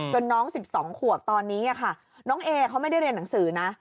น้อง๑๒ขวบตอนนี้ค่ะน้องเอเขาไม่ได้เรียนหนังสือนะ